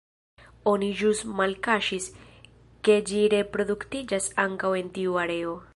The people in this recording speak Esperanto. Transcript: Oni ĵus malkaŝis, ke ĝi reproduktiĝas ankaŭ en tiu areo.